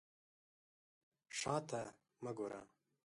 شا ته مه ګوره.